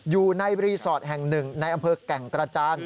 อยู่ในรีสอร์ทแห่งหนึ่งในอำเภอแก่งกระจาน